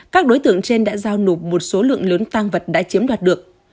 các đối tượng trên đã giao nộp một số lượng lớn tăng vật đã chiếm đoạt được